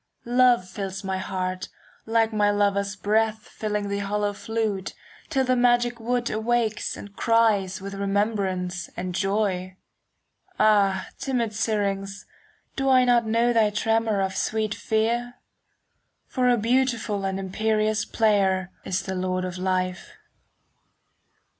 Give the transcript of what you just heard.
Love fills my heart, like my lover's breath Filling the hollow flute, 10 Till the magic wood awakes and cries With remembrance and joy. Ah, timid Syrinx, do I not know Thy tremor of sweet fear? For a beautiful and imperious player 15 Is the lord of life.